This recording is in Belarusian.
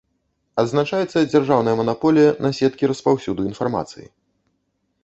Адзначаецца дзяржаўная манаполія на сеткі распаўсюду інфармацыі.